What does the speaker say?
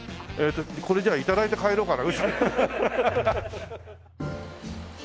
これじゃあ頂いて帰ろうかな。